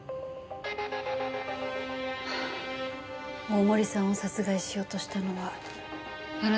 大森さんを殺害しようとしたのはあなたなの？